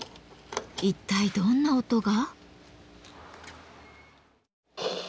一体どんな音が？